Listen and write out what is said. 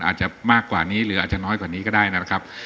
อาจจะมากกว่านี้หรืออาจจะน้อยกว่านี้ก็ได้นะครับ